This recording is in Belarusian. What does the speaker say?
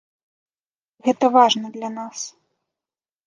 Гэта важна для нас.